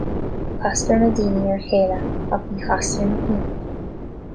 Castar na daoine ar a chéile, ach ní chastar na cnoic